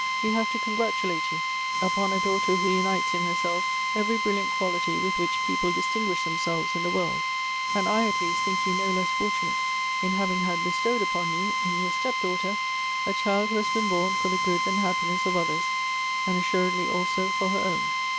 We have to congratulate you upon a daughter who unites in herself every brilliant quality with which people distinguish themselves in tlie world ; and I at least think you no less fortunate in having had bestowed upon you, in your step daughter, a child who has been born for the good and happiness of others, and assuredly also for her own.